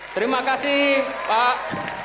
terima kasih pak